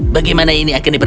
bagaimana ini akan berhasil